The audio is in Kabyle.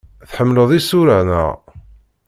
Tḥemmleḍ isura, naɣ?